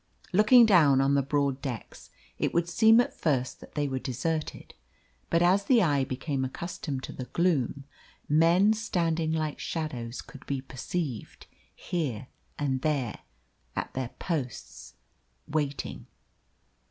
Looking down on the broad decks, it would seem at first that they were deserted, but as the eye became accustomed to the gloom, men standing like shadows could be perceived here and there at their posts waiting.